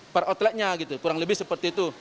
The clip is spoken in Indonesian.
per outletnya gitu kurang lebih seperti itu